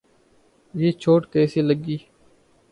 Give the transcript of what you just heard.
یہ چوٹ کیسے لگی؟